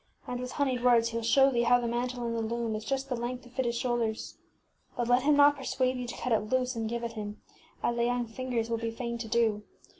ŌĆØ And with hon eyed words heŌĆÖll show thee how the mantle in the loom is just the length to fit his shoulders. But let him not persuade thee to cut it loose and give it him, as thy young fingers Ufa Tlfim OZlttabetjS will be fain to do.